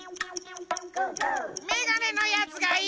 メガネのやつがいる。